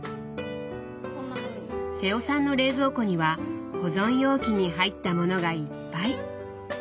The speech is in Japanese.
瀬尾さんの冷蔵庫には保存容器に入ったものがいっぱい。